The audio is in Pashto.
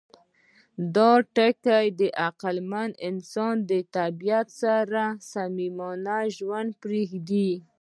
دا ټکي عقلمن انسان د طبیعت سره صمیمانه ژوند پرېښود.